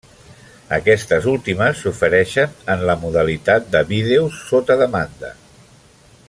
Aquestes últimes s'ofereixen en la modalitat de vídeo sota demanda.